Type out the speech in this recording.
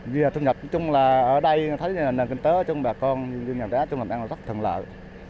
vì thu nhập chung là ở đây thấy là nền kinh tế của chúng bà con như nhà đá chúng mình đang rất thân lợi